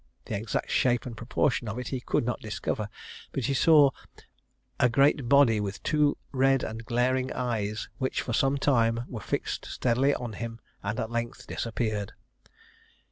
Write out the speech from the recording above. The exact shape and proportion of it he could not discover; but "he saw a great body, with two red and glaring eyes, which, for some time, were fixed steadily on him, and at length disappeared."